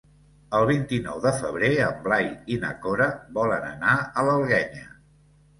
El vint-i-nou de febrer en Blai i na Cora volen anar a l'Alguenya.